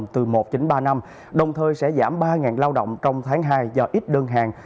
từ một nghìn chín trăm ba mươi năm đồng thời sẽ giảm ba lao động trong tháng hai do ít đơn hàng